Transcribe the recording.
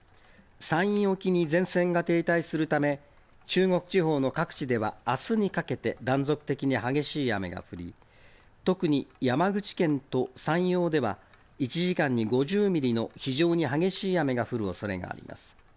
山陰沖に前線が停滞するため、中国地方の各地では、あすにかけて、断続的に激しい雨が降り、特に山口県と山陽では、１時間に５０ミリの非常に激しい雨が降るおそれがあります。